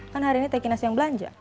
kan hari ini teki nasi yang belanja